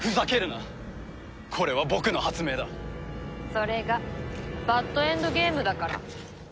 それがバッドエンドゲームだから。